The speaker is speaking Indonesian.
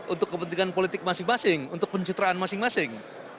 untuk kepentingan politik masing masing untuk pencitraan masing masing